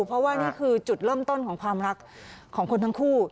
เพราะว่านี่คือจุดเริ่มต้นของความรักของคนทั้งคู่